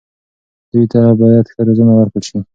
دوی ته باید ښه روزنه ورکړل شي.